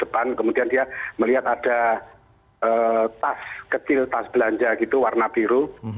depan kemudian dia melihat ada tas kecil tas belanja gitu warna biru